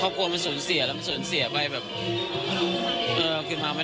ครอบครัวมันสูญเสียสูญเสียไปแบบทำไม